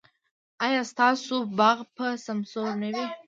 ایا ستاسو باغ به سمسور نه وي؟